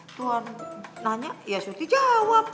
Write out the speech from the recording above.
tuhan nanya ya surti jawab